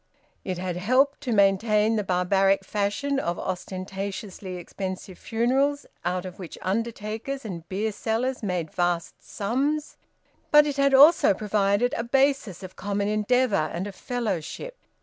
It had helped to maintain the barbaric fashion of ostentatiously expensive funerals, out of which undertakers and beer sellers made vast sums; but it had also provided a basis of common endeavour and of fellowship.